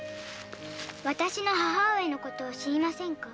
私の母上のことを知りませんか？